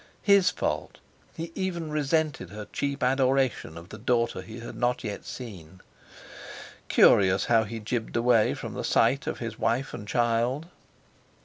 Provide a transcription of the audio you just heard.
His fault! He even resented her cheap adoration of the daughter he had not yet seen. Curious how he jibbed away from sight of his wife and child!